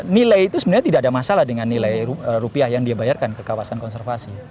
nilai itu sebenarnya tidak ada masalah dengan nilai rupiah yang dia bayarkan ke kawasan konservasi